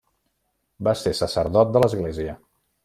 Va ser sacerdot de l’Església.